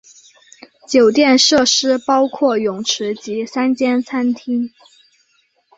酒店设施包括泳池及三间餐厅。